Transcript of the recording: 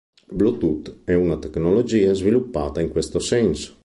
Bluetooth è una tecnologia sviluppata in questo senso.